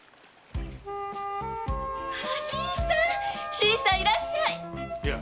新さんいらっしゃい！